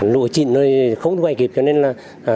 lũ trịn không quay kịp cho nên là